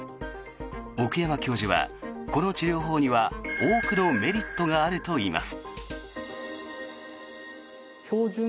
奥山教授はこの治療法には多くのメリットがあるといいます。